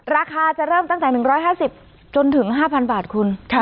ราคาจะเริ่มตั้งแต่หนึ่งร้อยห้าสิบจนถึงห้าพันบาทคุณค่ะ